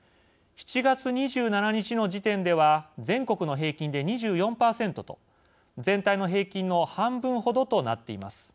７月２７日の時点では全国の平均で２４％と全体の平均の半分ほどとなっています。